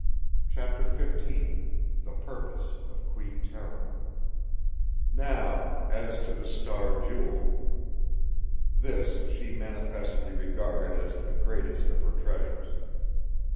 Chapter XV The Purpose of Queen Tera "Now, as to the Star Jewel! This she manifestly regarded as the greatest of her treasures.